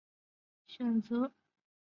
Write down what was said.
特征可以通过多种方法进行选择。